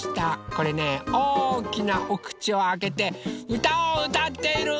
これねおおきなおくちをあけてうたをうたっているうーたんです。